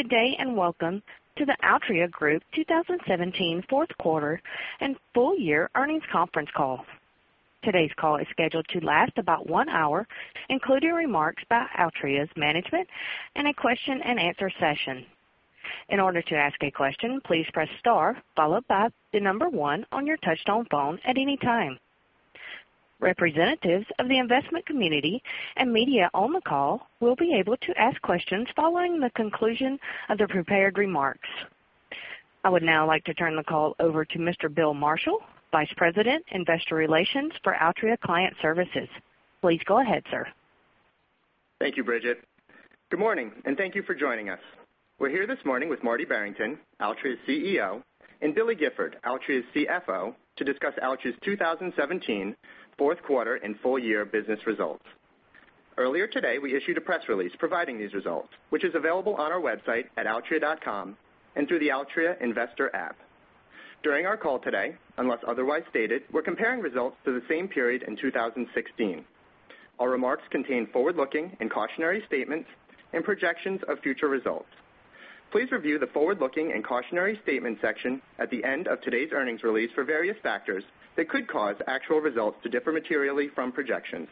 Good day, and welcome to the Altria Group 2017 fourth quarter and full year earnings conference call. Today's call is scheduled to last about one hour, including remarks by Altria's management and a question and answer session. In order to ask a question, please press star followed by the number 1 on your touchtone phone at any time. Representatives of the investment community and media on the call will be able to ask questions following the conclusion of the prepared remarks. I would now like to turn the call over to Mr. Bill Marshall, Vice President, Investor Relations for Altria Client Services. Please go ahead, sir. Thank you, Bridget. Good morning, and thank you for joining us. We're here this morning with Marty Barrington, Altria's CEO, and Billy Gifford, Altria's CFO, to discuss Altria's 2017 fourth quarter and full year business results. Earlier today, we issued a press release providing these results, which is available on our website at altria.com and through the Altria investor app. During our call today, unless otherwise stated, we're comparing results to the same period in 2016. Our remarks contain forward-looking and cautionary statements and projections of future results. Please review the forward-looking and cautionary statements section at the end of today's earnings release for various factors that could cause actual results to differ materially from projections.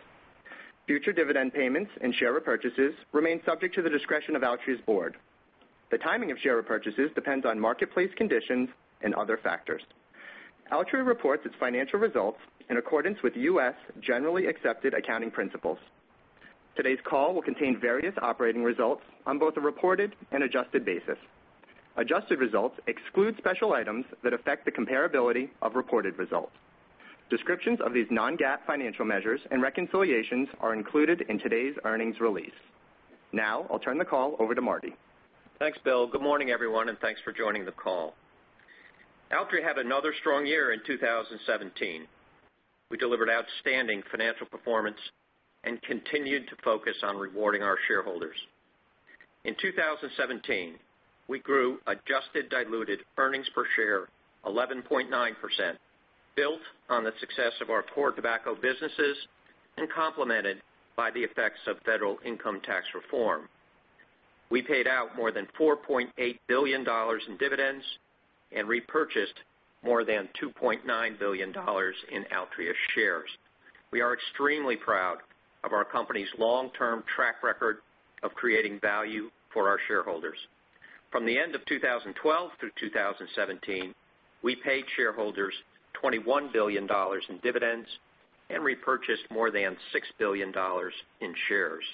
Future dividend payments and share repurchases remain subject to the discretion of Altria's board. The timing of share repurchases depends on marketplace conditions and other factors. Altria reports its financial results in accordance with U.S. generally accepted accounting principles. Today's call will contain various operating results on both a reported and adjusted basis. Adjusted results exclude special items that affect the comparability of reported results. Descriptions of these non-GAAP financial measures and reconciliations are included in today's earnings release. Now, I'll turn the call over to Marty. Thanks, Bill. Good morning, everyone, and thanks for joining the call. Altria had another strong year in 2017. We delivered outstanding financial performance and continued to focus on rewarding our shareholders. In 2017, we grew adjusted diluted earnings per share 11.9%, built on the success of our core tobacco businesses and complemented by the effects of federal income tax reform. We paid out more than $4.8 billion in dividends and repurchased more than $2.9 billion in Altria shares. We are extremely proud of our company's long-term track record of creating value for our shareholders. From the end of 2012 through 2017, we paid shareholders $21 billion in dividends and repurchased more than $6 billion in shares.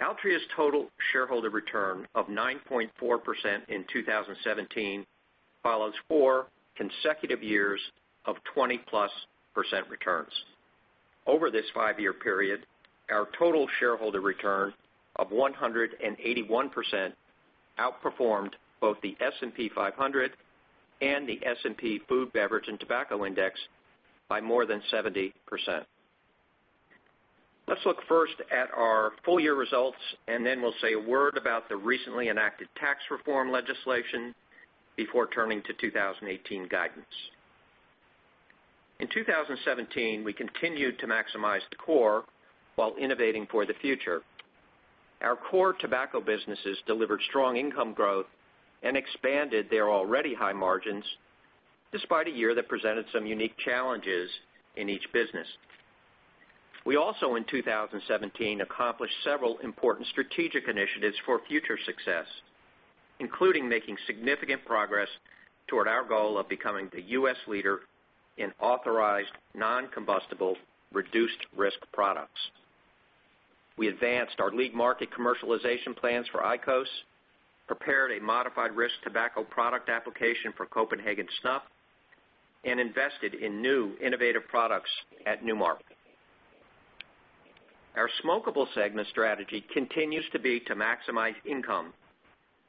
Altria's total shareholder return of 9.4% in 2017 follows four consecutive years of 20-plus% returns. Over this five-year period, our total shareholder return of 181% outperformed both the S&P 500 and the S&P Food, Beverage, and Tobacco Index by more than 70%. Let's look first at our full year results. Then we'll say a word about the recently enacted tax reform legislation before turning to 2018 guidance. In 2017, we continued to maximize the core while innovating for the future. Our core tobacco businesses delivered strong income growth and expanded their already high margins despite a year that presented some unique challenges in each business. We also, in 2017, accomplished several important strategic initiatives for future success, including making significant progress toward our goal of becoming the U.S. leader in authorized non-combustible reduced risk products. We advanced our lead market commercialization plans for IQOS, prepared a modified risk tobacco product application for Copenhagen Snuff, and invested in new innovative products at Nu Mark. Our smokable segment strategy continues to be to maximize income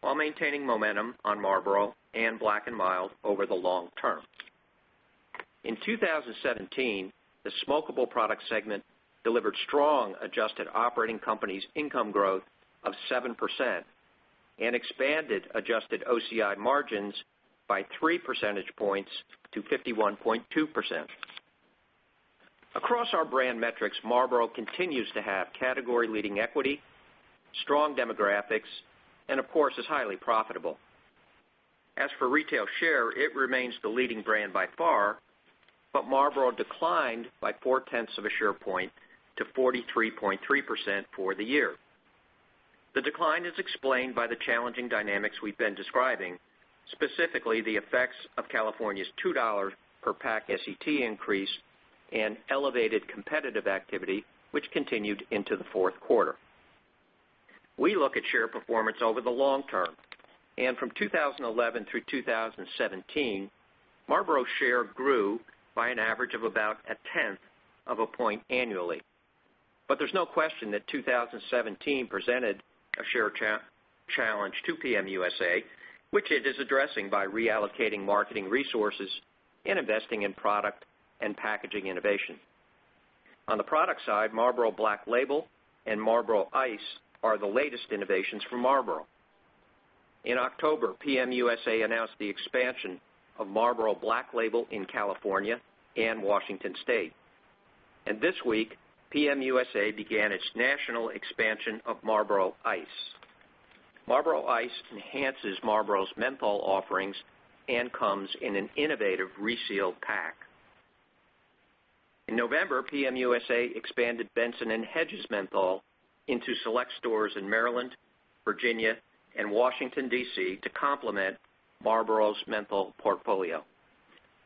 while maintaining momentum on Marlboro and Black & Mild over the long term. In 2017, the smokable product segment delivered strong adjusted operating companies income growth of 7% and expanded adjusted OCI margins by three percentage points to 51.2%. Across our brand metrics, Marlboro continues to have category-leading equity, strong demographics, and of course, is highly profitable. As for retail share, it remains the leading brand by far, but Marlboro declined by four-tenths of a share point to 43.3% for the year. The decline is explained by the challenging dynamics we've been describing, specifically the effects of California's $2 per pack SET increase and elevated competitive activity, which continued into the fourth quarter. We look at share performance over the long term. From 2011 through 2017, Marlboro share grew by an average of about a tenth of a point annually. There's no question that 2017 presented a share challenge to PM USA, which it is addressing by reallocating marketing resources and investing in product and packaging innovation. On the product side, Marlboro Black Label and Marlboro Ice are the latest innovations from Marlboro. In October, PM USA announced the expansion of Marlboro Black Label in California and Washington State. This week, PM USA began its national expansion of Marlboro Ice. Marlboro Ice enhances Marlboro's menthol offerings and comes in an innovative reseal pack. In November, PM USA expanded Benson & Hedges Menthol into select stores in Maryland, Virginia, and Washington, D.C. to complement Marlboro's menthol portfolio.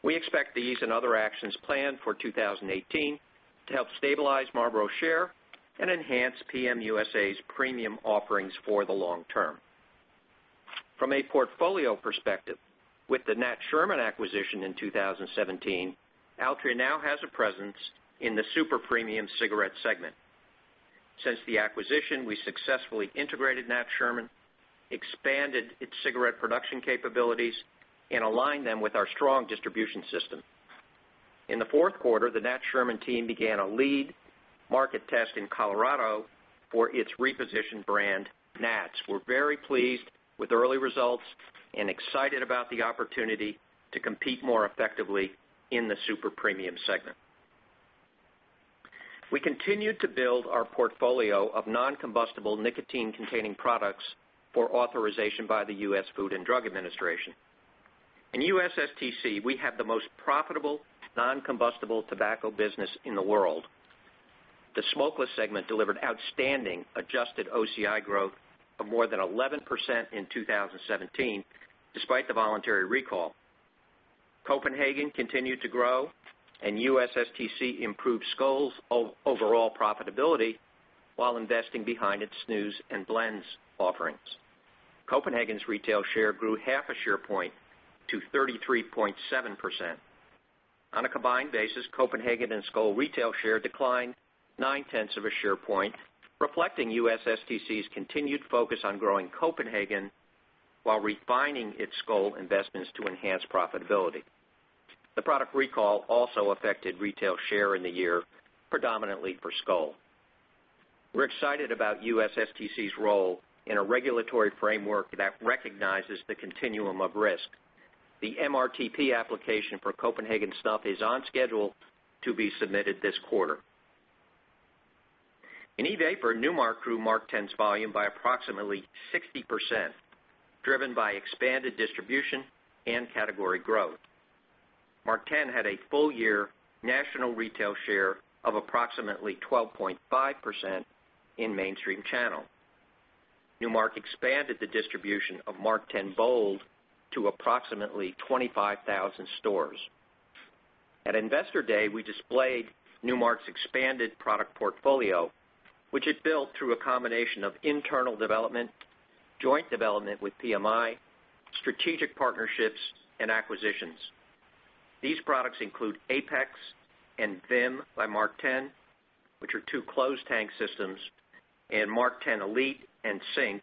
We expect these and other actions planned for 2018 to help stabilize Marlboro share and enhance PM USA's premium offerings for the long term. From a portfolio perspective, with the Nat Sherman acquisition in 2017, Altria now has a presence in the super premium cigarette segment. Since the acquisition, we successfully integrated Nat Sherman, expanded its cigarette production capabilities, and aligned them with our strong distribution system. In the fourth quarter, the Nat Sherman team began a lead market test in Colorado for its repositioned brand, Nat's. We're very pleased with early results and excited about the opportunity to compete more effectively in the super premium segment. We continued to build our portfolio of non-combustible nicotine-containing products for authorization by the U.S. Food and Drug Administration. In USSTC, we have the most profitable non-combustible tobacco business in the world. The smokeless segment delivered outstanding adjusted OCI growth of more than 11% in 2017, despite the voluntary recall. Copenhagen continued to grow, and USSTC improved Skoal's overall profitability while investing behind its snus and blends offerings. Copenhagen's retail share grew half a share point to 33.7%. On a combined basis, Copenhagen and Skoal retail share declined nine tenths of a share point, reflecting USSTC's continued focus on growing Copenhagen while refining its Skoal investments to enhance profitability. The product recall also affected retail share in the year, predominantly for Skoal. We are excited about USSTC's role in a regulatory framework that recognizes the continuum of risk. The MRTP application for Copenhagen Snuff is on schedule to be submitted this quarter. In e-vapor, Nu Mark grew MarkTen's volume by approximately 60%, driven by expanded distribution and category growth. MarkTen had a full-year national retail share of approximately 12.5% in mainstream channel. Nu Mark expanded the distribution of MarkTen Bold to approximately 25,000 stores. At Investor Day, we displayed Nu Mark's expanded product portfolio, which it built through a combination of internal development, joint development with PMI, strategic partnerships, and acquisitions. These products include Apex and Vimy by MarkTen, which are two closed tank systems, and MarkTen Elite and Sync,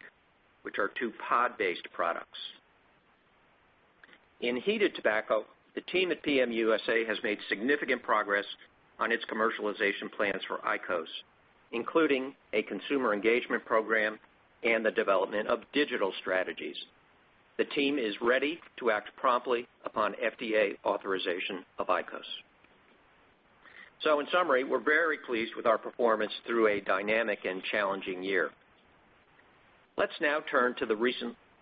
which are two pod-based products. In heated tobacco, the team at PM USA has made significant progress on its commercialization plans for IQOS, including a consumer engagement program and the development of digital strategies. The team is ready to act promptly upon FDA authorization of IQOS. In summary, we are very pleased with our performance through a dynamic and challenging year. Let's now turn to the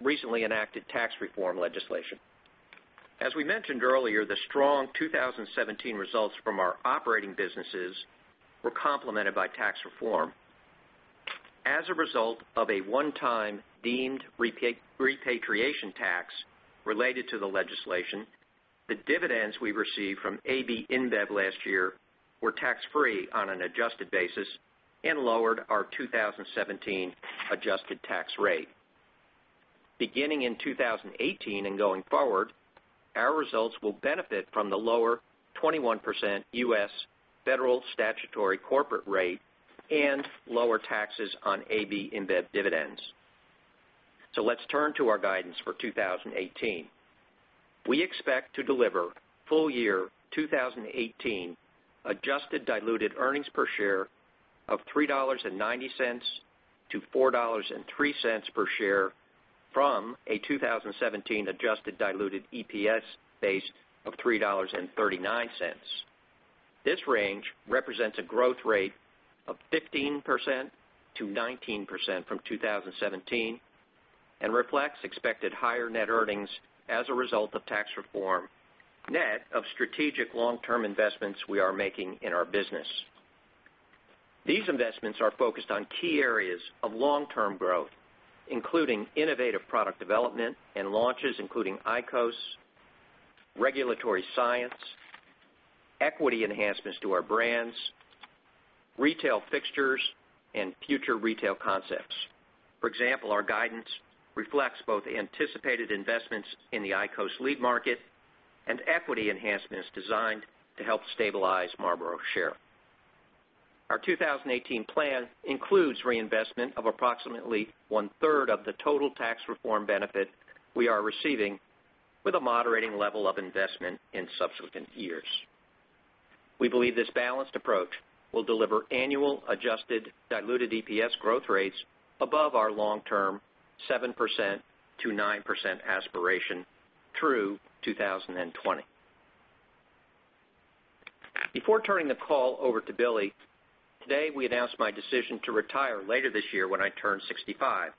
recently enacted tax reform legislation. As we mentioned earlier, the strong 2017 results from our operating businesses were complemented by tax reform. As a result of a one-time deemed repatriation tax related to the legislation, the dividends we received from AB InBev last year were tax-free on an adjusted basis and lowered our 2017 adjusted tax rate. Beginning in 2018 and going forward, our results will benefit from the lower 21% U.S. federal statutory corporate rate and lower taxes on AB InBev dividends. Let's turn to our guidance for 2018. We expect to deliver full-year 2018 adjusted diluted EPS of $3.90 to $4.03 per share from a 2017 adjusted diluted EPS base of $3.39. This range represents a growth rate of 15%-19% from 2017 and reflects expected higher net earnings as a result of tax reform, net of strategic long-term investments we are making in our business. These investments are focused on key areas of long-term growth, including innovative product development and launches, including IQOS, regulatory science, equity enhancements to our brands, retail fixtures, and future retail concepts. For example, our guidance reflects both anticipated investments in the IQOS lead market and equity enhancements designed to help stabilize Marlboro share. Our 2018 plan includes reinvestment of approximately one-third of the total tax reform benefit we are receiving with a moderating level of investment in subsequent years. We believe this balanced approach will deliver annual adjusted diluted EPS growth rates above our long-term 7%-9% aspiration Through 2020. Before turning the call over to Billy, today, we announced my decision to retire later this year when I turn 65.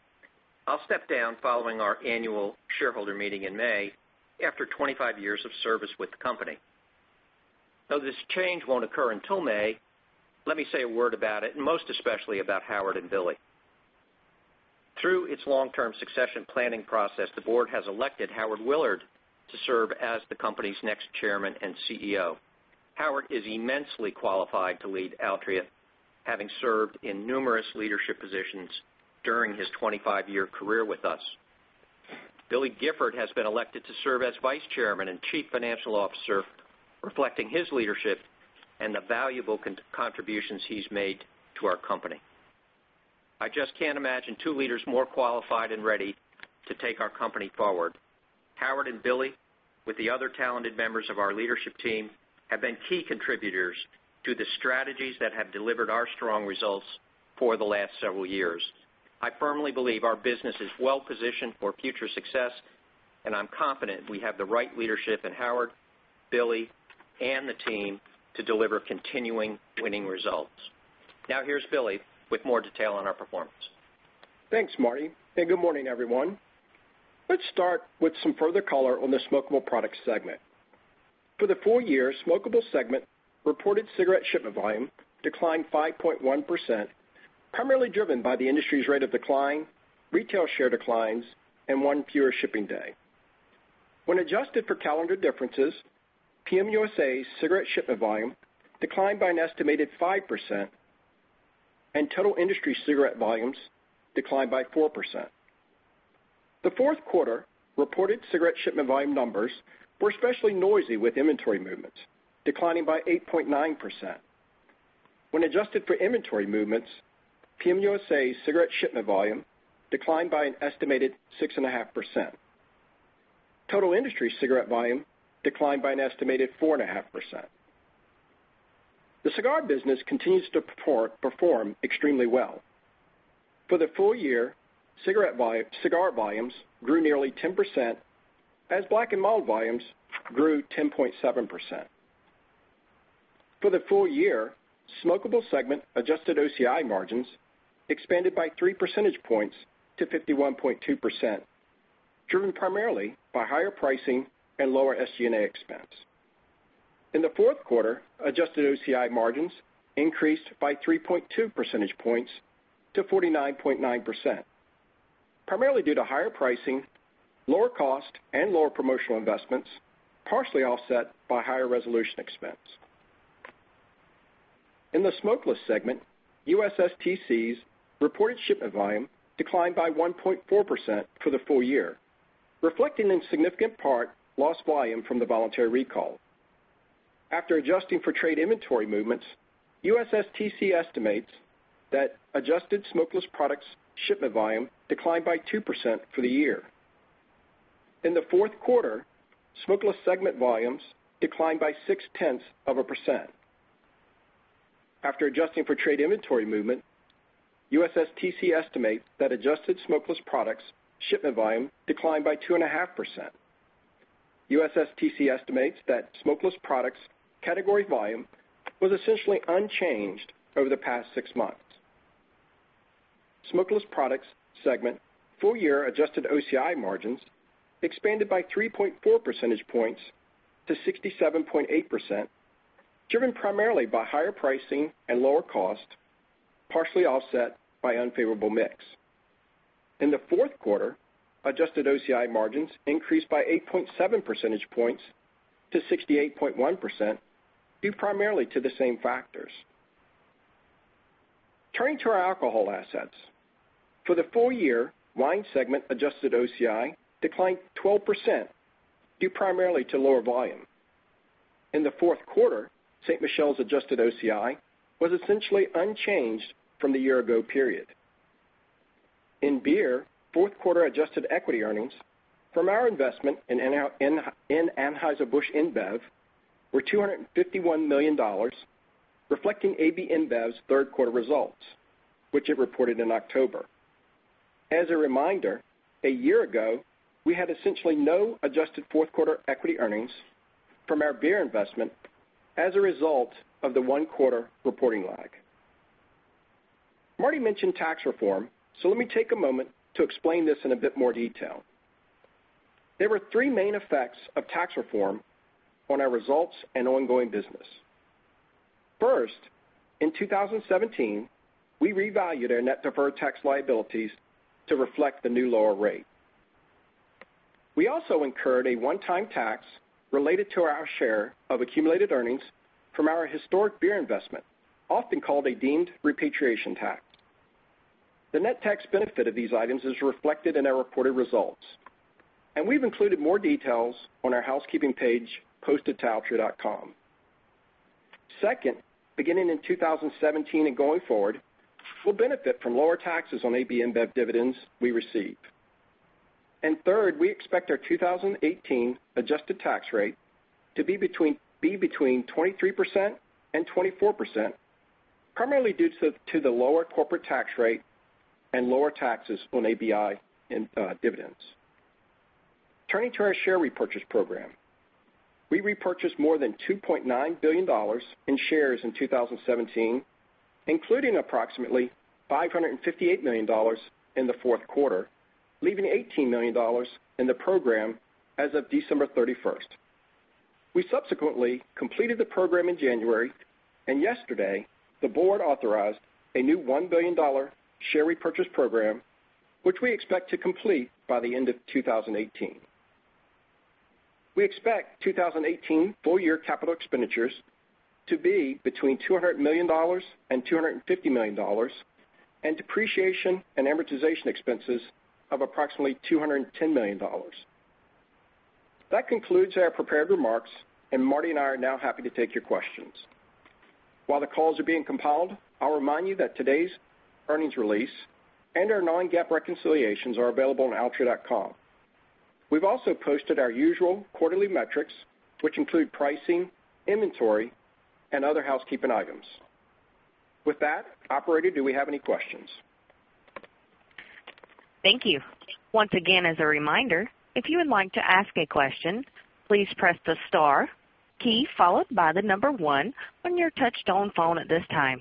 I will step down following our annual shareholder meeting in May after 25 years of service with the company. Though this change won't occur until May, let me say a word about it, and most especially about Howard and Billy. Through its long-term succession planning process, the board has elected Howard Willard to serve as the company's next Chairman and CEO. Howard is immensely qualified to lead Altria, having served in numerous leadership positions during his 25-year career with us. Billy Gifford has been elected to serve as Vice Chairman and Chief Financial Officer, reflecting his leadership and the valuable contributions he's made to our company. I just can't imagine two leaders more qualified and ready to take our company forward. Howard and Billy, with the other talented members of our leadership team, have been key contributors to the strategies that have delivered our strong results for the last several years. I firmly believe our business is well-positioned for future success. I'm confident we have the right leadership in Howard, Billy, and the team to deliver continuing winning results. Now, here's Billy with more detail on our performance. Thanks, Marty. Good morning, everyone. Let's start with some further color on the smokable product segment. For the full year, smokable segment reported cigarette shipment volume declined 5.1%, primarily driven by the industry's rate of decline, retail share declines, and one fewer shipping day. When adjusted for calendar differences, PM USA cigarette shipment volume declined by an estimated 5%. Total industry cigarette volumes declined by 4%. The fourth quarter reported cigarette shipment volume numbers were especially noisy with inventory movements declining by 8.9%. When adjusted for inventory movements, PM USA cigarette shipment volume declined by an estimated 6.5%. Total industry cigarette volume declined by an estimated 4.5%. The cigar business continues to perform extremely well. For the full year, cigar volumes grew nearly 10% as Black & Mild volumes grew 10.7%. For the full year, smokable segment adjusted OCI margins expanded by three percentage points to 51.2%, driven primarily by higher pricing and lower SG&A expense. In the fourth quarter, adjusted OCI margins increased by 3.2 percentage points to 49.9%, primarily due to higher pricing, lower cost, and lower promotional investments, partially offset by higher resolution expense. In the smokeless segment, USSTC's reported shipment volume declined by 1.4% for the full year, reflecting, in significant part, lost volume from the voluntary recall. After adjusting for trade inventory movements, USSTC estimates that adjusted smokeless products shipment volume declined by 2% for the year. In the fourth quarter, smokeless segment volumes declined by six-tenths of a percent. After adjusting for trade inventory movement, USSTC estimates that adjusted smokeless products shipment volume declined by 2.5%. USSTC estimates that smokeless products category volume was essentially unchanged over the past six months. Smokeless Products segment full-year adjusted OCI margins expanded by 3.4 percentage points to 67.8%, driven primarily by higher pricing and lower cost, partially offset by unfavorable mix. In the fourth quarter, adjusted OCI margins increased by 8.7 percentage points to 68.1%, due primarily to the same factors. Turning to our alcohol assets. For the full year, Wine segment adjusted OCI declined 12%, due primarily to lower volume. In the fourth quarter, Ste. Michelle's adjusted OCI was essentially unchanged from the year-ago period. In beer, fourth quarter adjusted equity earnings from our investment in Anheuser-Busch InBev were $251 million, reflecting AB InBev's third quarter results, which it reported in October. As a reminder, a year ago, we had essentially no adjusted fourth quarter equity earnings from our beer investment as a result of the one-quarter reporting lag. Marty mentioned tax reform, let me take a moment to explain this in a bit more detail. There were three main effects of tax reform on our results and ongoing business. First, in 2017, we revalued our net deferred tax liabilities to reflect the new lower rate. We also incurred a one-time tax related to our share of accumulated earnings from our historic beer investment, often called a deemed repatriation tax. The net tax benefit of these items is reflected in our reported results, and we've included more details on our housekeeping page posted to altria.com. Second, beginning in 2017 and going forward, we'll benefit from lower taxes on AB InBev dividends we receive. Third, we expect our 2018 adjusted tax rate to be between 23% and 24% primarily due to the lower corporate tax rate and lower taxes on ABI and dividends. Turning to our share repurchase program. We repurchased more than $2.9 billion in shares in 2017, including approximately $558 million in the fourth quarter, leaving $18 million in the program as of December 31st. We subsequently completed the program in January, yesterday the board authorized a new $1 billion share repurchase program, which we expect to complete by the end of 2018. We expect 2018 full-year capital expenditures to be between $200 million and $250 million, and depreciation and amortization expenses of approximately $210 million. That concludes our prepared remarks, Marty and I are now happy to take your questions. While the calls are being compiled, I'll remind you that today's earnings release and our non-GAAP reconciliations are available on altria.com. We've also posted our usual quarterly metrics, which include pricing, inventory, other housekeeping items. With that, operator, do we have any questions? Thank you. Once again, as a reminder, if you would like to ask a question, please press the star key followed by the number one on your touch-tone phone at this time.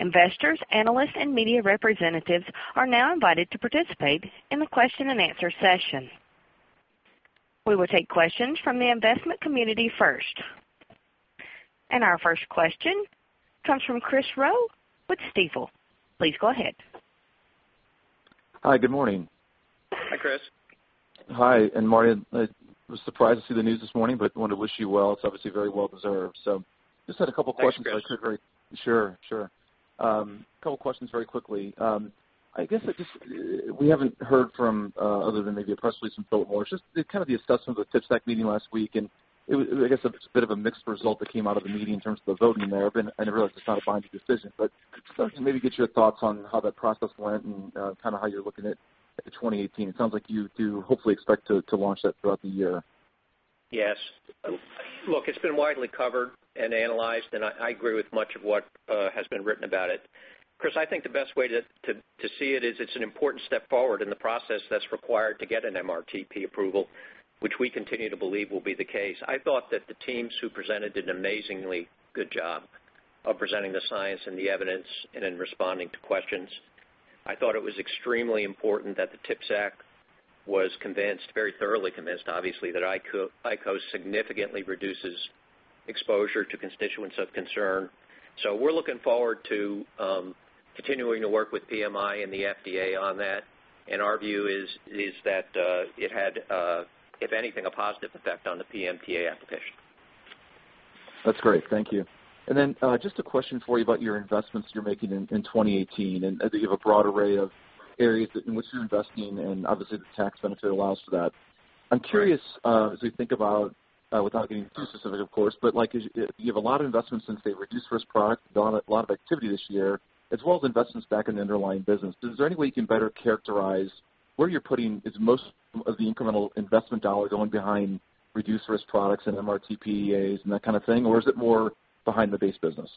Investors, analysts, and media representatives are now invited to participate in the question and answer session. We will take questions from the investment community first. Our first question comes from Chris Growe with Stifel. Please go ahead. Hi, good morning. Hi, Chris. Hi. Marty, I was surprised to see the news this morning, but wanted to wish you well. It's obviously very well deserved. Just had a couple questions. Thanks, Chris. Sure. Couple questions very quickly. We haven't heard from, other than maybe a press release from Philip Morris, just the kind of the assessment of the TPSAC meeting last week, and it was, I guess a bit of a mixed result that came out of the meeting in terms of the voting there. I mean, I know, obviously it's not a binding decision, but could maybe get your thoughts on how that process went and how you're looking at 2018. It sounds like you do hopefully expect to launch that throughout the year. Yes. Look, it's been widely covered and analyzed, and I agree with much of what has been written about it. Chris, I think the best way to see it is it's an important step forward in the process that's required to get an MRTP approval, which we continue to believe will be the case. I thought that the teams who presented did an amazingly good job of presenting the science and the evidence and in responding to questions. I thought it was extremely important that the TPSAC was convinced, very thoroughly convinced, obviously, that IQOS significantly reduces exposure to constituents of concern. We're looking forward to continuing to work with PMI and the FDA on that. Our view is that it had, if anything, a positive effect on the PMTA application. That's great. Thank you. Just a question for you about your investments you're making in 2018, I think you have a broad array of areas that in which you're investing, obviously the tax benefit allows for that. I'm curious, as we think about, without getting too specific, of course, but you have a lot of investments since the reduced-risk product, done a lot of activity this year, as well as investments back in the underlying business. Is there any way you can better characterize Is most of the incremental investment dollars going behind reduced-risk products and MRTP EAs and that kind of thing, or is it more behind the base business?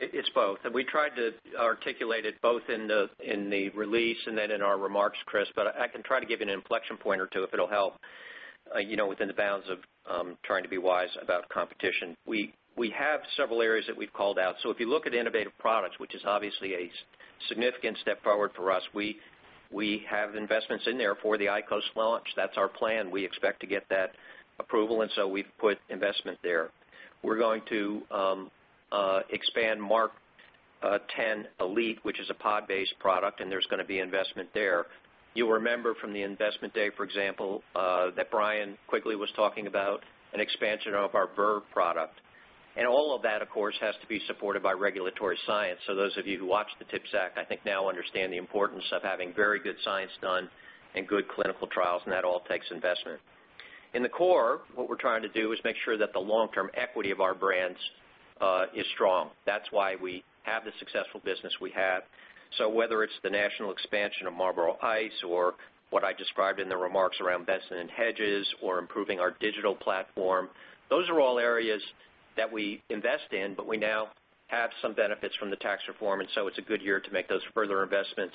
It's both. We tried to articulate it both in the release and then in our remarks, Chris, I can try to give you an inflection point or two if it'll help, within the bounds of trying to be wise about competition. We have several areas that we've called out. If you look at innovative products, which is obviously a significant step forward for us, we have investments in there for the IQOS launch. That's our plan. We expect to get that approval, so we've put investment there. We're going to expand MarkTen Elite, which is a pod-based product, there's going to be investment there. You'll remember from the investment day, for example, that Brian Quigley was talking about an expansion of our VR product. All of that, of course, has to be supported by regulatory science. Those of you who watched the TPSAC, I think now understand the importance of having very good science done and good clinical trials, and that all takes investment. In the core, what we're trying to do is make sure that the long-term equity of our brands is strong. That's why we have the successful business we have. Whether it's the national expansion of Marlboro Ice or what I described in the remarks around Benson & Hedges or improving our digital platform, those are all areas that we invest in. We now have some benefits from the tax reform, so it's a good year to make those further investments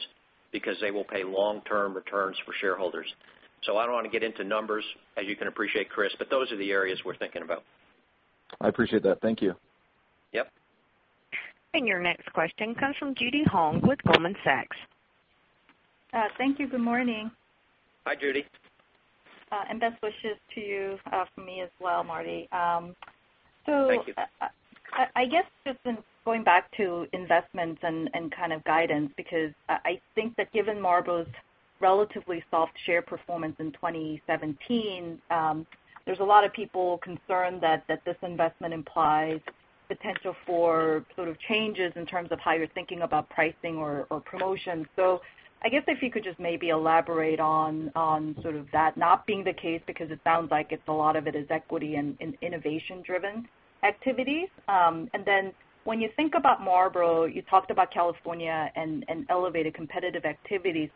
because they will pay long-term returns for shareholders. I don't want to get into numbers, as you can appreciate, Chris, those are the areas we're thinking about. I appreciate that. Thank you. Yep. Your next question comes from Judy Hong with Goldman Sachs. Thank you. Good morning. Hi, Judy. Best wishes to you from me as well, Marty. Thank you. I guess just in going back to investments and kind of guidance, because I think that given Marlboro's relatively soft share performance in 2017, there's a lot of people concerned that this investment implies potential for sort of changes in terms of how you're thinking about pricing or promotion. I guess if you could just maybe elaborate on sort of that not being the case, because it sounds like it's a lot of it is equity and innovation driven activities. Then when you think about Marlboro, you talked about California and elevated competitive activity.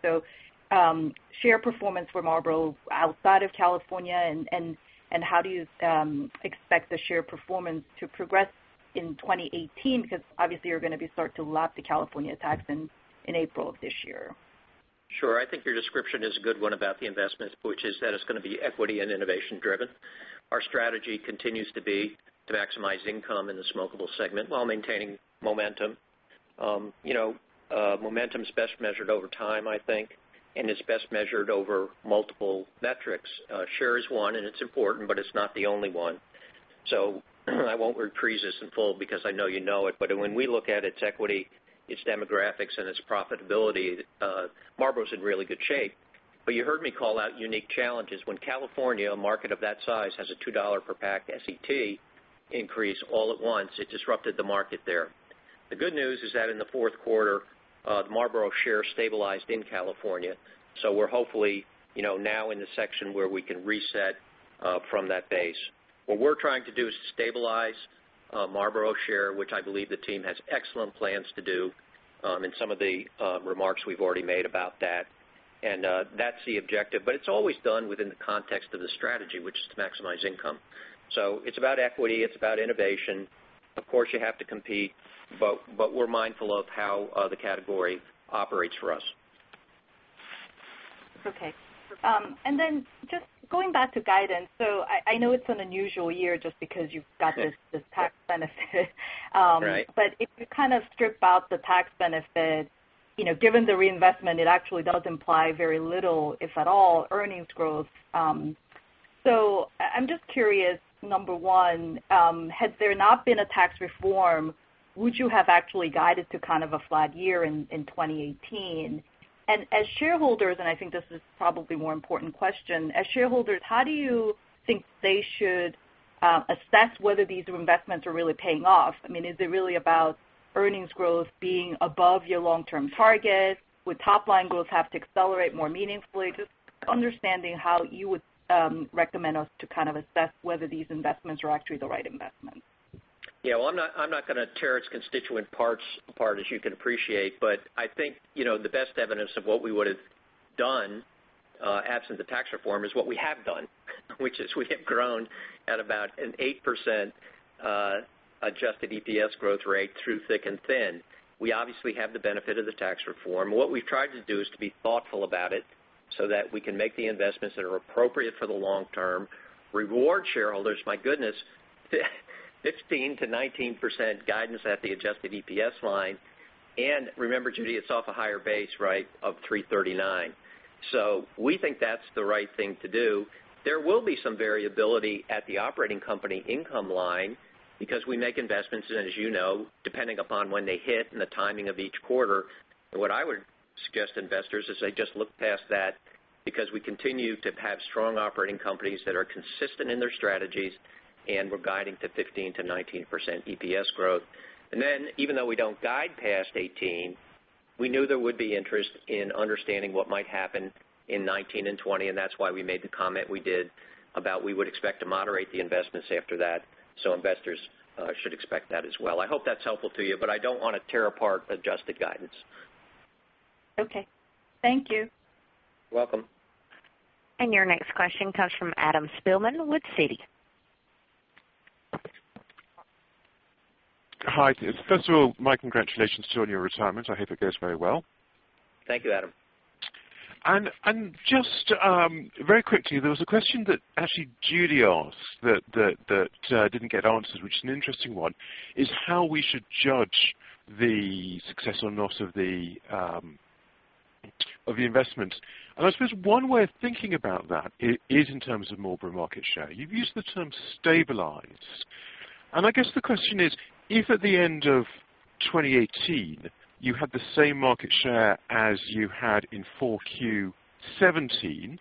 Share performance for Marlboro outside of California and how do you expect the share performance to progress in 2018? Because obviously you're going to be start to lap the California tax in April of this year. Sure. I think your description is a good one about the investment, which is that it's going to be equity and innovation driven. Our strategy continues to be to maximize income in the smokeable segment while maintaining momentum. Momentum's best measured over time, I think, and it's best measured over multiple metrics. Share is one, and it's important, but it's not the only one. I won't reprise this in full because I know you know it, but when we look at its equity, its demographics, and its profitability, Marlboro's in really good shape. You heard me call out unique challenges. When California, a market of that size, has a $2 per pack SET increase all at once, it disrupted the market there. The good news is that in the fourth quarter, the Marlboro share stabilized in California. We're hopefully now in the section where we can reset from that base. What we're trying to do is stabilize Marlboro share, which I believe the team has excellent plans to do in some of the remarks we've already made about that. That's the objective. It's always done within the context of the strategy, which is to maximize income. It's about equity. It's about innovation. Of course, you have to compete, but we're mindful of how the category operates for us. Okay. Just going back to guidance. I know it's an unusual year just because you've got this tax benefit. Right. If you strip out the tax benefit, given the reinvestment, it actually does imply very little, if at all, earnings growth. I'm just curious, number one, had there not been a tax reform, would you have actually guided to a flat year in 2018? As shareholders, and I think this is probably more important question. As shareholders, how do you think they should assess whether these investments are really paying off? Is it really about earnings growth being above your long-term target? Would top line growth have to accelerate more meaningfully? Just understanding how you would recommend us to assess whether these investments are actually the right investments. Yeah. Well, I'm not going to tear its constituent parts apart, as you can appreciate, but I think the best evidence of what we would've done, absent the tax reform, is what we have done which is we have grown at about an 8% adjusted EPS growth rate through thick and thin. We obviously have the benefit of the tax reform. What we've tried to do is to be thoughtful about it so that we can make the investments that are appropriate for the long term, reward shareholders, my goodness, 15%-19% guidance at the adjusted EPS line. Remember, Judy, it's off a higher base of $3.39. We think that's the right thing to do. There will be some variability at the operating company income line because we make investments, and as you know, depending upon when they hit and the timing of each quarter. What I would suggest to investors is they just look past that because we continue to have strong operating companies that are consistent in their strategies, and we're guiding to 15%-19% EPS growth. Even though we don't guide past 2018, we knew there would be interest in understanding what might happen in 2019 and 2020, and that's why we made the comment we did about we would expect to moderate the investments after that. Investors should expect that as well. I hope that's helpful to you, but I don't want to tear apart adjusted guidance. Okay. Thank you. You're welcome. Your next question comes from Adam Spielman with Citi. Hi. First of all, my congratulations to you on your retirement. I hope it goes very well. Thank you, Adam. Just very quickly, there was a question that actually Judy asked that didn't get answered, which is an interesting one, is how we should judge the success or not of the investment. I suppose one way of thinking about that is in terms of Marlboro market share. You've used the term stabilize. I guess the question is, if at the end of 2018, you had the same market share as you had in 4Q '17,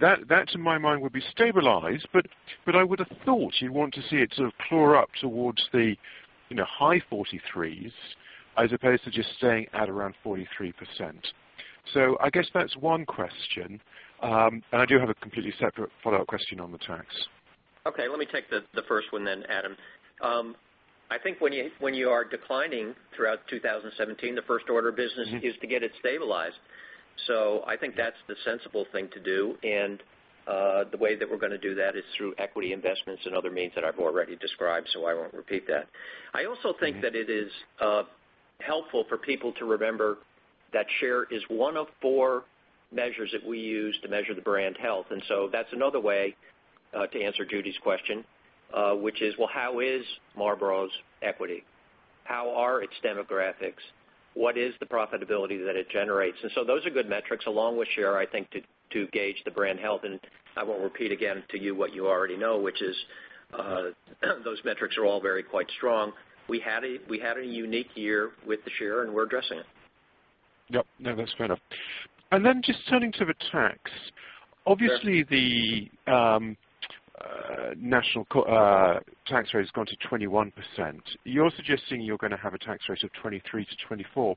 that to my mind, would be stabilized, but I would have thought you'd want to see it sort of claw up towards the high 43s as opposed to just staying at around 43%. I guess that's one question. I do have a completely separate follow-up question on the tax. Let me take the first one, Adam. I think when you are declining throughout 2017, the first order of business is to get it stabilized. I think that's the sensible thing to do, and the way that we're going to do that is through equity investments and other means that I've already described, I won't repeat that. I also think that it is helpful for people to remember that share is one of four measures that we use to measure the brand health, that's another way to answer Judy's question, which is, well, how is Marlboro's equity? How are its demographics? What is the profitability that it generates? Those are good metrics along with share, I think, to gauge the brand health, I won't repeat again to you what you already know, which is those metrics are all very quite strong. We had a unique year with the share, we're addressing it. Yep. No, that's fair enough. Just turning to the tax. Sure. Obviously, the national tax rate has gone to 21%. You're suggesting you're going to have a tax rate of 23% to 24%.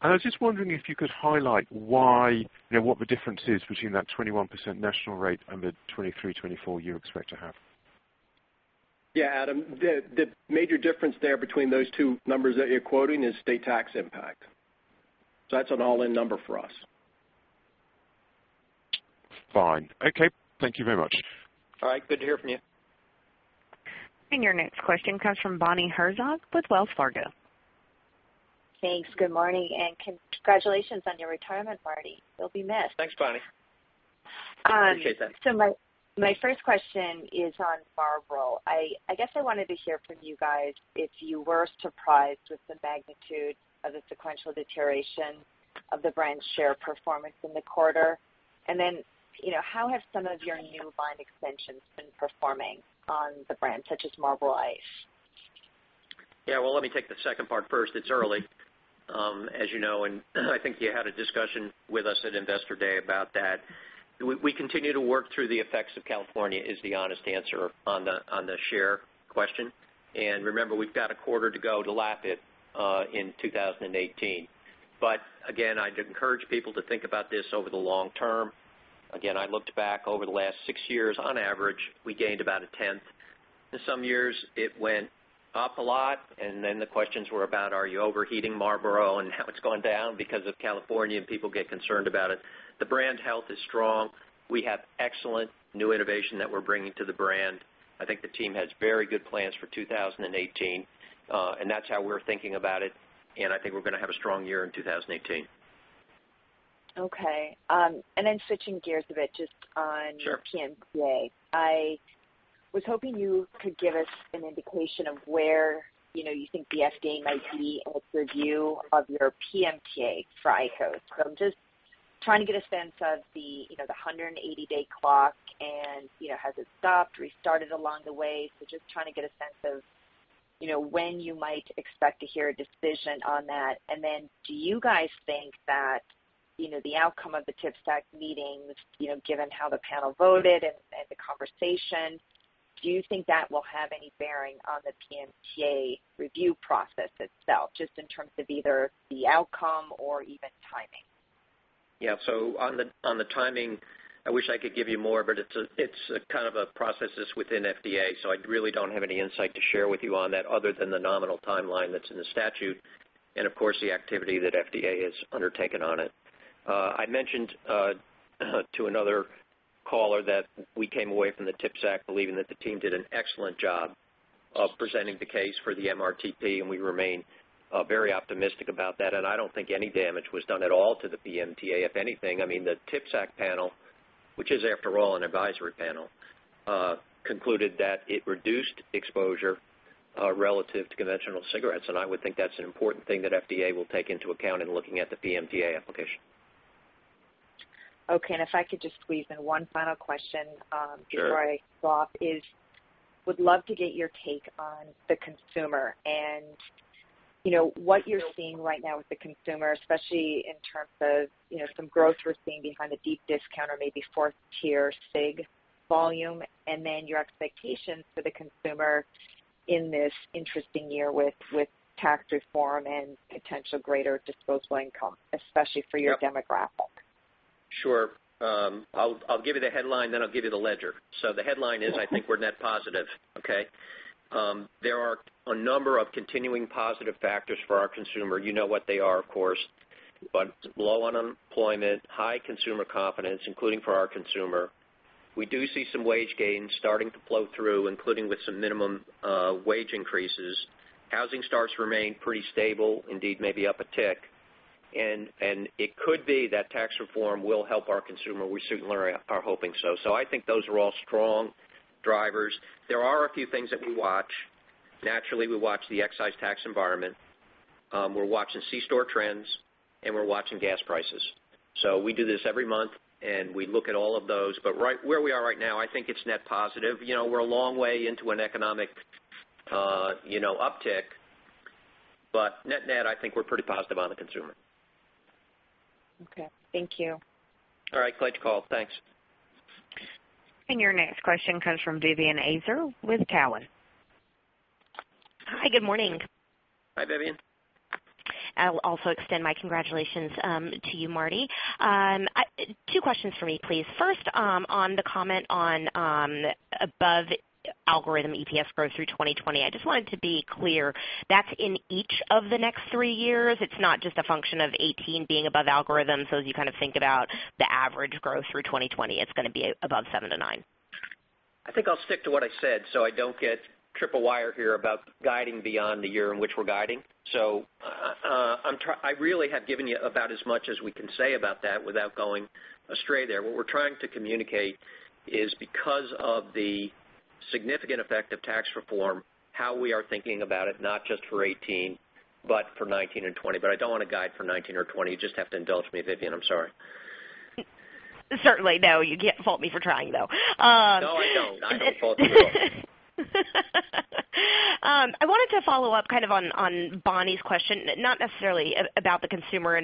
I was just wondering if you could highlight what the difference is between that 21% national rate and the 23%, 24% you expect to have. Yeah, Adam, the major difference there between those two numbers that you're quoting is state tax impact. That's an all-in number for us. Fine. Okay. Thank you very much. All right. Good to hear from you. Your next question comes from Bonnie Herzog with Wells Fargo. Thanks. Good morning, and congratulations on your retirement, Marty. You'll be missed. Thanks, Bonnie. Appreciate that. My first question is on Marlboro. I guess I wanted to hear from you guys if you were surprised with the magnitude of the sequential deterioration of the brand share performance in the quarter, and then, how have some of your new line extensions been performing on the brand, such as Marlboro Ice? Yeah. Well, let me take the second part first. It's early, as you know, and I think you had a discussion with us at Investor Day about that. We continue to work through the effects of California, is the honest answer on the share question. Remember, we've got a quarter to go to lap it in 2018. I'd encourage people to think about this over the long term. I looked back over the last six years, on average, we gained about a tenth. In some years it went up a lot, and then the questions were about, are you overheating Marlboro? And now it's gone down because of California, and people get concerned about it. The brand health is strong. We have excellent new innovation that we're bringing to the brand. I think the team has very good plans for 2018. That's how we're thinking about it, I think we're going to have a strong year in 2018. Okay. Sure PMTA. I was hoping you could give us an indication of where you think the FDA might be in its review of your PMTA for IQOS. Just trying to get a sense of the 180-day clock and has it stopped, restarted along the way? Just trying to get a sense of when you might expect to hear a decision on that. Do you guys think that the outcome of the TPSAC meetings, given how the panel voted and the conversation, do you think that will have any bearing on the PMTA review process itself, just in terms of either the outcome or even timing? Yeah. On the timing, I wish I could give you more, but it's a process that's within FDA, I really don't have any insight to share with you on that other than the nominal timeline that's in the statute, and of course, the activity that FDA has undertaken on it. I mentioned to another caller that we came away from the TPSAC believing that the team did an excellent job of presenting the case for the MRTP, we remain very optimistic about that. I don't think any damage was done at all to the PMTA. If anything, the TPSAC panel, which is after all an advisory panel, concluded that it reduced exposure relative to conventional cigarettes, I would think that's an important thing that FDA will take into account in looking at the PMTA application. Okay. If I could just squeeze in one final question. Sure Before I drop, I would love to get your take on the consumer and what you're seeing right now with the consumer, especially in terms of some growth we're seeing behind the deep discount or maybe 4th tier cig volume, your expectations for the consumer in this interesting year with tax reform and potential greater disposable income, especially for your demographic. Sure. I'll give you the headline, I'll give you the ledger. The headline is, I think we're net positive. Okay. There are a number of continuing positive factors for our consumer. You know what they are, of course, but low unemployment, high consumer confidence, including for our consumer. We do see some wage gains starting to flow through, including with some minimum wage increases. Housing starts remain pretty stable, indeed, maybe up a tick. It could be that tax reform will help our consumer. We certainly are hoping so. I think those are all strong drivers. There are a few things that we watch. Naturally, we watch the excise tax environment. We're watching C-store trends, we're watching gas prices. We do this every month, and we look at all of those. Right where we are right now, I think it's net positive. We're a long way into an economic uptick, but net-net, I think we're pretty positive on the consumer. Okay. Thank you. All right. Great call. Thanks. Your next question comes from Vivien Azer with Cowen. Hi. Good morning. Hi, Vivien. I'll also extend my congratulations to you, Marty. Two questions for me, please. First, on the comment on above algorithm EPS growth through 2020. I just wanted to be clear, that's in each of the next three years? It's not just a function of 2018 being above algorithm. As you kind of think about the average growth through 2020, it's going to be above 7% to 9%. I think I'll stick to what I said, I don't get triple wired here about guiding beyond the year in which we're guiding. I really have given you about as much as we can say about that without going astray there. What we're trying to communicate is because of the significant effect of tax reform, how we are thinking about it, not just for 2018, but for 2019 and 2020. I don't want to guide for 2019 or 2020. You just have to indulge me, Vivien. I'm sorry. Certainly. No, you can't fault me for trying, though. No, I don't. I don't fault you at all. I wanted to follow up on Bonnie's question, not necessarily about the consumer,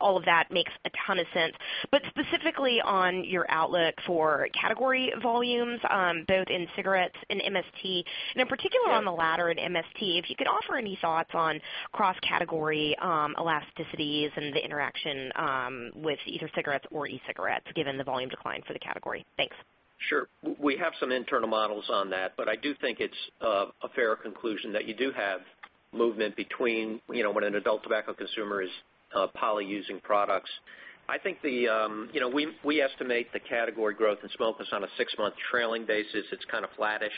all of that makes a ton of sense, but specifically on your outlook for category volumes both in cigarettes and MST, in particular on the latter in MST. If you could offer any thoughts on cross-category elasticities and the interaction with either cigarettes or e-cigarettes, given the volume decline for the category. Thanks. Sure. We have some internal models on that, I do think it's a fair conclusion that you do have movement between when an adult tobacco consumer is poly using products. We estimate the category growth in smokeless on a six-month trailing basis. It's kind of flattish.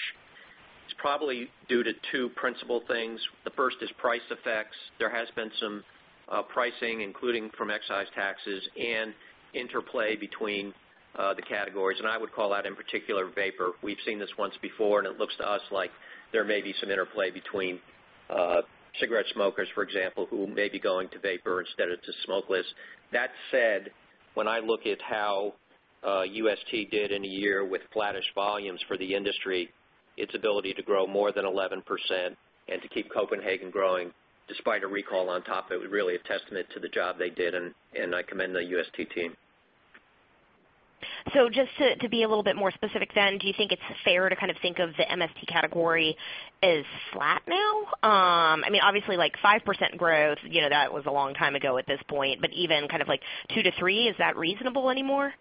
It's probably due to two principal things. The first is price effects. There has been some pricing, including from excise taxes interplay between the categories, I would call out in particular, vapor. We've seen this once before, it looks to us like there may be some interplay between cigarette smokers, for example, who may be going to vapor instead of to smokeless. That said, when I look at how UST did in a year with flattish volumes for the industry, its ability to grow more than 11% to keep Copenhagen growing despite a recall on top, it was really a testament to the job they did, I commend the UST team. Just to be a little bit more specific, do you think it's fair to think of the MST category as flat now? Obviously, 5% growth, that was a long time ago at this point, but even kind of like 2%-3%, is that reasonable anymore?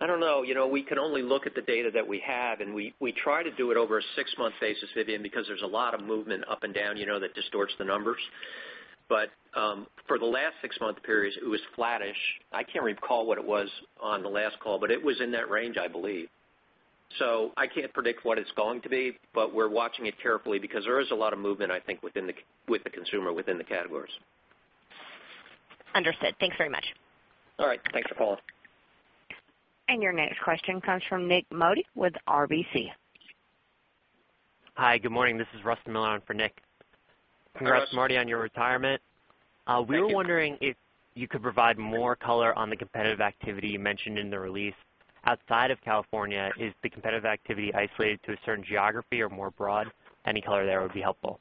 I don't know. We can only look at the data that we have, and we try to do it over a six-month basis, Vivien, because there's a lot of movement up and down that distorts the numbers. For the last six-month periods, it was flattish. I can't recall what it was on the last call, but it was in that range, I believe. I can't predict what it's going to be, but we're watching it carefully because there is a lot of movement, I think, with the consumer within the categories. Understood. Thanks very much. All right. Thanks for calling. Your next question comes from Nik Modi with RBC. Hi, good morning. This is Russ Miller on for Nik. Hi, Russ. Congrats, Marty, on your retirement. Thank you. We were wondering if you could provide more color on the competitive activity you mentioned in the release. Outside of California, is the competitive activity isolated to a certain geography or more broad? Any color there would be helpful.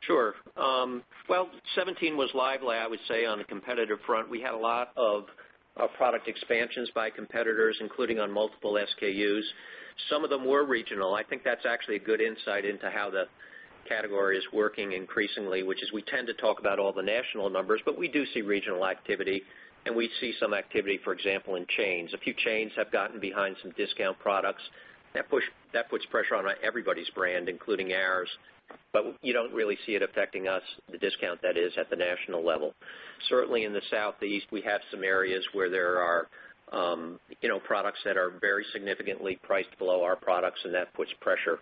Sure. Well, 2017 was lively, I would say, on the competitive front. We had a lot of product expansions by competitors, including on multiple SKUs. Some of them were regional. I think that's actually a good insight into how the category is working increasingly, which is we tend to talk about all the national numbers, but we do see regional activity, and we see some activity, for example, in chains. A few chains have gotten behind some discount products. That puts pressure on everybody's brand, including ours, but you don't really see it affecting us, the discount that is, at the national level. Certainly in the Southeast, we have some areas where there are products that are very significantly priced below our products, and that puts pressure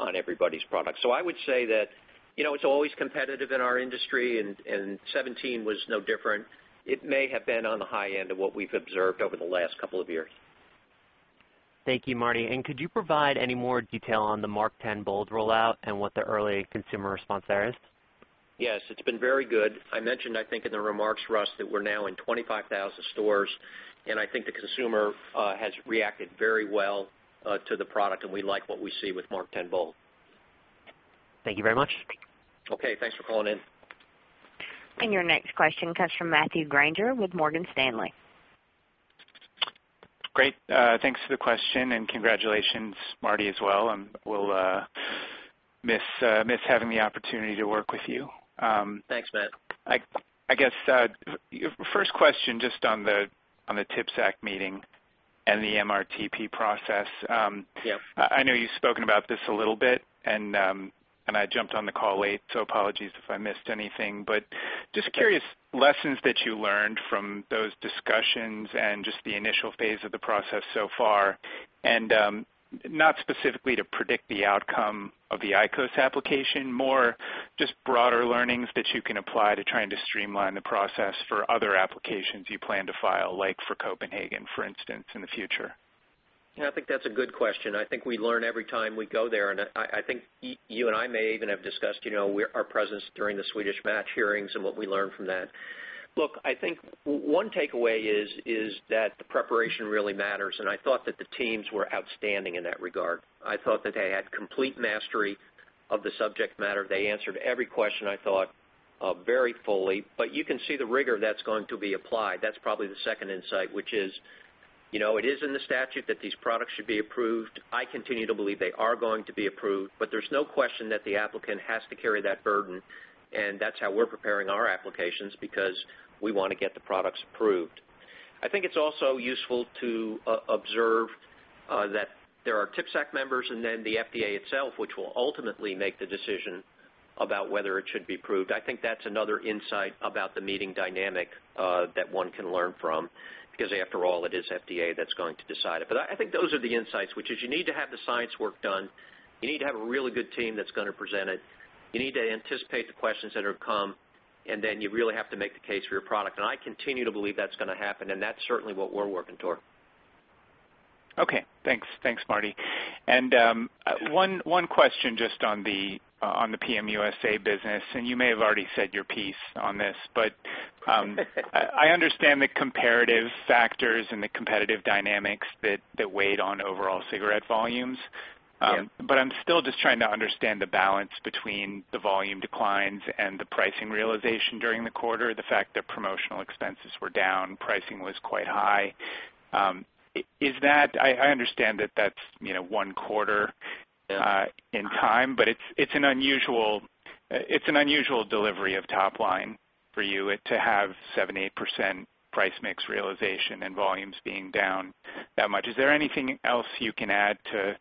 on everybody's products. I would say that it's always competitive in our industry, and 2017 was no different. It may have been on the high end of what we've observed over the last couple of years. Thank you, Marty. Could you provide any more detail on the MarkTen Bold rollout and what the early consumer response there is? Yes, it's been very good. I mentioned, I think, in the remarks, Russ, that we're now in 25,000 stores, and I think the consumer has reacted very well to the product, and we like what we see with MarkTen Bold. Thank you very much. Okay, thanks for calling in. Your next question comes from Matthew Grainger with Morgan Stanley. Great. Thanks for the question, congratulations, Marty, as well, we'll miss having the opportunity to work with you. Thanks, Matt. I guess, first question just on the TPSAC meeting and the MRTP process. Yeah. I know you've spoken about this a little bit, and I jumped on the call late, so apologies if I missed anything, but just curious lessons that you learned from those discussions and just the initial phase of the process so far, and not specifically to predict the outcome of the IQOS application, more just broader learnings that you can apply to trying to streamline the process for other applications you plan to file, like for Copenhagen, for instance, in the future. Yeah, I think that's a good question. I think we learn every time we go there, and I think you and I may even have discussed our presence during the Swedish Match hearings and what we learned from that. Look, I think one takeaway is that the preparation really matters, and I thought that the teams were outstanding in that regard. I thought that they had complete mastery of the subject matter. They answered every question, I thought, very fully. You can see the rigor that's going to be applied. That's probably the second insight, which is, it is in the statute that these products should be approved. I continue to believe they are going to be approved, but there's no question that the applicant has to carry that burden, and that's how we're preparing our applications because we want to get the products approved. I think it's also useful to observe that there are TPSAC members and then the FDA itself, which will ultimately make the decision about whether it should be approved. I think that's another insight about the meeting dynamic that one can learn from, because after all, it is FDA that's going to decide it. I think those are the insights, which is you need to have the science work done. You need to have a really good team that's going to present it. You need to anticipate the questions that are going to come, and then you really have to make the case for your product. I continue to believe that's going to happen, and that's certainly what we're working toward. Okay. Thanks, Marty. One question just on the PM USA business, and you may have already said your piece on this, but I understand the comparative factors and the competitive dynamics that weighed on overall cigarette volumes. Yeah. I'm still just trying to understand the balance between the volume declines and the pricing realization during the quarter, the fact that promotional expenses were down, pricing was quite high. I understand that that's one quarter in time, but it's an unusual delivery of top line for you to have 78% price mix realization and volumes being down that much. Is there anything else you can add to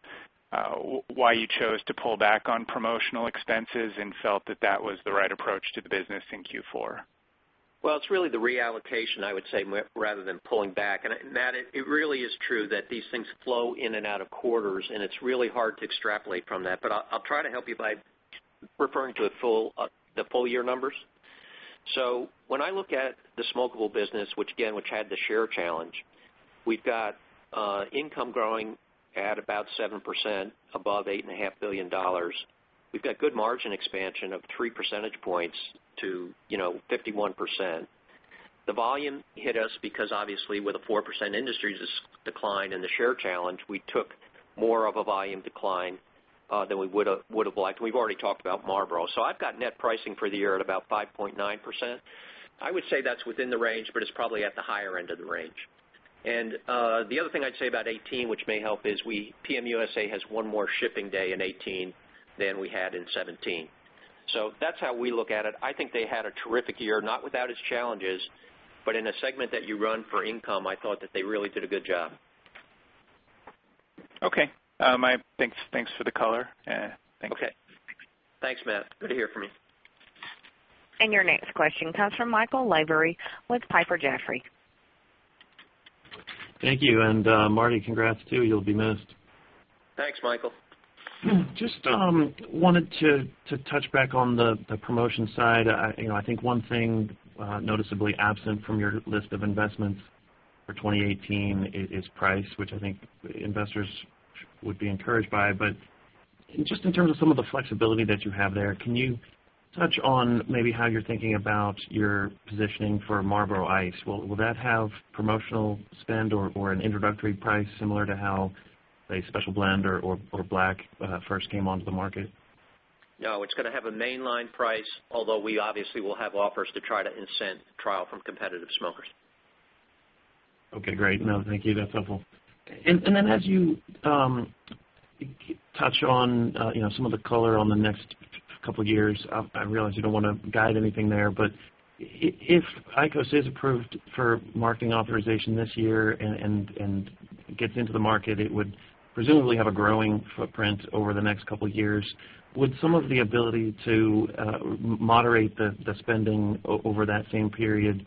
why you chose to pull back on promotional expenses and felt that that was the right approach to the business in Q4? Well, it's really the reallocation, I would say, rather than pulling back. Matt, it really is true that these things flow in and out of quarters, and it's really hard to extrapolate from that. I'll try to help you by referring to the full year numbers. When I look at the smokeable business, which again, which had the share challenge, we've got income growing at about 7% above $8.5 billion. We've got good margin expansion of three percentage points to 51%. The volume hit us because obviously with a 4% industry decline in the share challenge, we took more of a volume decline than we would have liked. We've already talked about Marlboro. I've got net pricing for the year at about 5.9%. I would say that's within the range, but it's probably at the higher end of the range. The other thing I'd say about 2018, which may help, is PM USA has one more shipping day in 2018 than we had in 2017. That's how we look at it. I think they had a terrific year, not without its challenges, but in a segment that you run for income, I thought that they really did a good job. Okay. Thanks for the color. Thanks. Okay. Thanks, Matt. Good to hear from you. Your next question comes from Michael Lavery with Piper Jaffray. Thank you, and Marty, congrats to you. You'll be missed. Thanks, Michael. Just wanted to touch back on the promotion side. I think one thing noticeably absent from your list of investments for 2018 is price, which I think investors would be encouraged by. Just in terms of some of the flexibility that you have there, can you touch on maybe how you're thinking about your positioning for Marlboro Ice? Will that have promotional spend or an introductory price similar to how a Special Blend or Black first came onto the market? No, it's going to have a mainline price, although we obviously will have offers to try to incent trial from competitive smokers. Okay, great. No, thank you. That's helpful. As you touch on some of the color on the next couple of years, I realize you don't want to guide anything there, but if IQOS is approved for marketing authorization this year and gets into the market, it would presumably have a growing footprint over the next couple of years. Would some of the ability to moderate the spending over that same period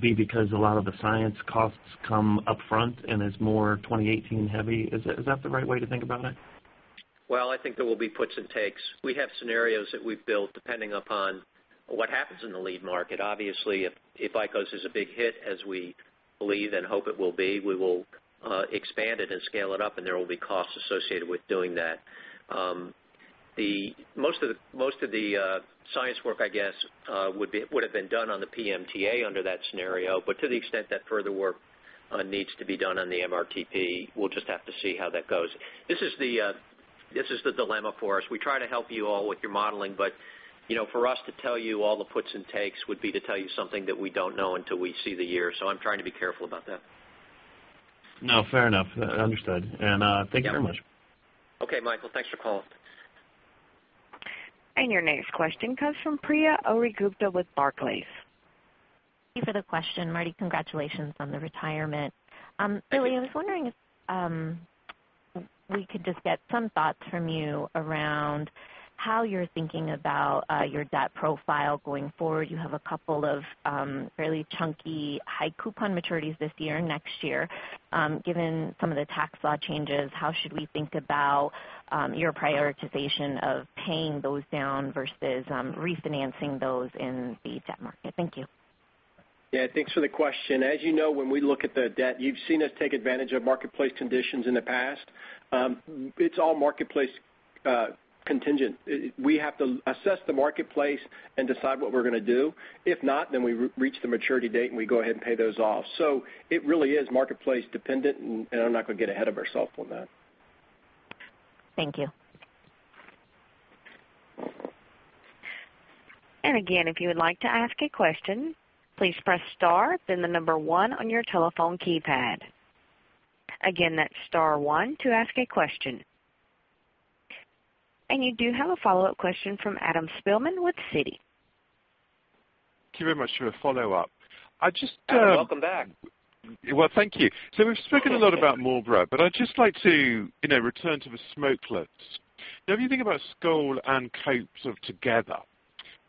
be because a lot of the science costs come upfront and is more 2018 heavy? Is that the right way to think about that? Well, I think there will be puts and takes. We have scenarios that we've built depending upon what happens in the lead market. Obviously, if IQOS is a big hit as we believe and hope it will be, we will expand it and scale it up, and there will be costs associated with doing that. Most of the science work, I guess, would have been done on the PMTA under that scenario. To the extent that further work needs to be done on the MRTP, we'll just have to see how that goes. This is the dilemma for us. We try to help you all with your modeling, for us to tell you all the puts and takes would be to tell you something that we don't know until we see the year. I'm trying to be careful about that. No, fair enough. Understood. Thank you very much. Okay, Michael. Thanks for calling. Your next question comes from Priya Ohri-Gupta with Barclays. Thank you for the question. Marty, congratulations on the retirement. Really, I was wondering if we could just get some thoughts from you around how you're thinking about your debt profile going forward. You have a couple of fairly chunky high coupon maturities this year, next year. Given some of the tax law changes, how should we think about your prioritization of paying those down versus refinancing those in the debt market? Thank you. Yeah, thanks for the question. As you know, when we look at the debt, you've seen us take advantage of marketplace conditions in the past. It's all marketplace contingent. We have to assess the marketplace and decide what we're going to do. If not, we reach the maturity date, and we go ahead and pay those off. It really is marketplace dependent, and I'm not going to get ahead of ourselves on that. Thank you. Again, if you would like to ask a question, please press star, the number 1 on your telephone keypad. Again, that's star one to ask a question. You do have a follow-up question from Adam Spielman with Citi. Thank you very much for the follow-up. Adam, welcome back. Well, thank you. We've spoken a lot about Marlboro, but I'd just like to return to the smokeless. Now, if you think about Skoal and Cope together,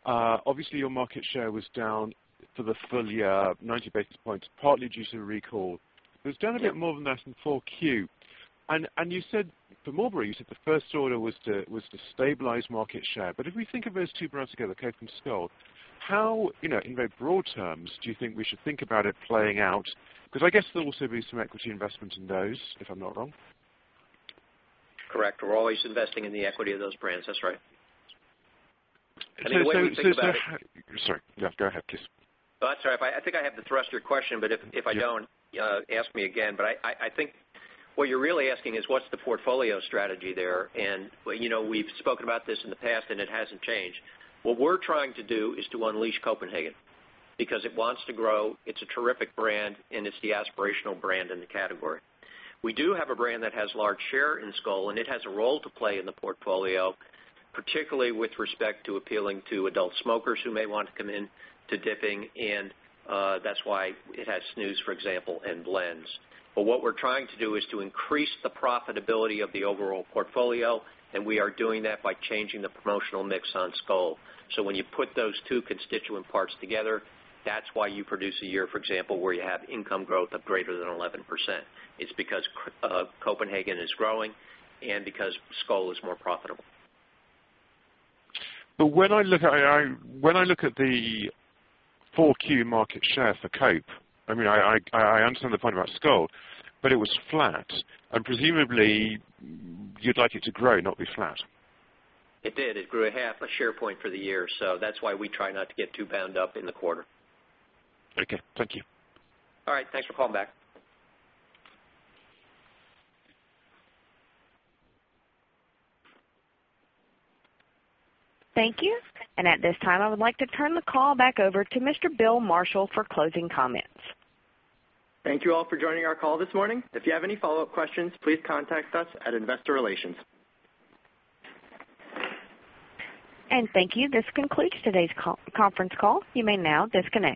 obviously your market share was down for the full year, 90 basis points, partly due to recall. It's down a bit more than that in full Q. You said for Marlboro, you said the first order was to stabilize market share. If we think of those two brands together, Cope and Skoal, how, in very broad terms, do you think we should think about it playing out? Because I guess there'll also be some equity investment in those, if I'm not wrong. Correct. We're always investing in the equity of those brands. That's right. So- The way to think about it- Sorry. Yeah, go ahead, please. That's all right. I think I have the thrust of your question, but if I don't, ask me again. I think what you're really asking is what's the portfolio strategy there? We've spoken about this in the past, and it hasn't changed. What we're trying to do is to unleash Copenhagen because it wants to grow, it's a terrific brand, and it's the aspirational brand in the category. We do have a brand that has large share in Skoal, and it has a role to play in the portfolio, particularly with respect to appealing to adult smokers who may want to come in to dipping, and that's why it has snus, for example, and blends. What we're trying to do is to increase the profitability of the overall portfolio, and we are doing that by changing the promotional mix on Skoal. When you put those two constituent parts together, that's why you produce a year, for example, where you have income growth of greater than 11%. It's because Copenhagen is growing and because Skoal is more profitable. When I look at the full Q market share for Cope, I understand the point about Skoal, it was flat, and presumably you'd like it to grow, not be flat. It did. It grew a half a share point for the year. That's why we try not to get too bound up in the quarter. Okay. Thank you. All right. Thanks for calling back. Thank you. At this time, I would like to turn the call back over to Mr. Bill Marshall for closing comments. Thank you all for joining our call this morning. If you have any follow-up questions, please contact us at investor relations. Thank you. This concludes today's conference call. You may now disconnect.